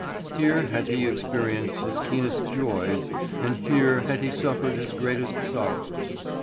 Here had he experienced his keenest joys and here had he suffered his greatest sorrows.